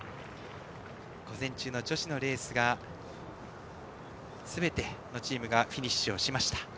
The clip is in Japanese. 午前中の女子のレースすべてのチームがフィニッシュしました。